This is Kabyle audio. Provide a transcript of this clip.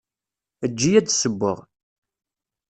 Eǧǧ-iyi ad d-ssewweɣ.